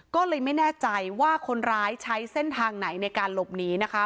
ก็เลยไม่แน่ใจว่าคนร้ายใช้เส้นทางไหนในการหลบหนีนะคะ